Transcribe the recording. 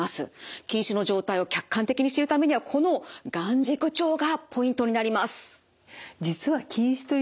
近視の状態を客観的に知るためにはこの眼軸長がポイントになります。